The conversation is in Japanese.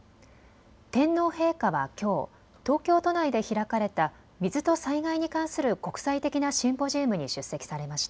天皇陛下はきょう東京都内で開かれた水と災害に関する国際的なシンポジウムに出席されました。